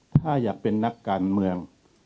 ถ้าอยากเป็นนักการเมือง